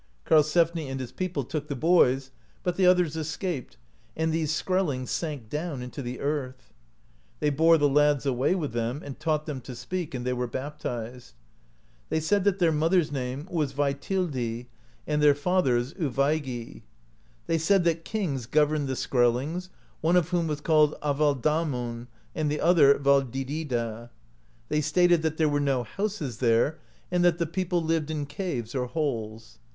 Karlsefni and his people took the boys, but the others escaped, and these Skrellings sank down into the earth. They bore the lads away with them, and taught them to speak, and they were baptized. They said that their mother's name was Vaetilldi, and their 60 WHITE MEN'S LAND, OR IRELAND THE GREAT father's Uvaegi. They said that kings governed the Skrellings, one of whom was called Avalldamon, and the other Valldidida (67). They stated, that there were no houses there, and that the people lived in caves or holes.